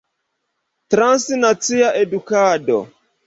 Transnacia edukado.